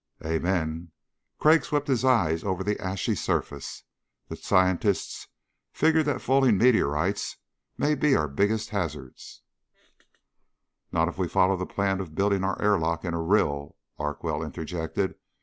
"Amen." Crag swept his eyes over the ashy surface. "The scientists figure that falling meteorites may be our biggest hazard." "Not if we follow the plan of building our airlock in a rill," Larkwell interjected.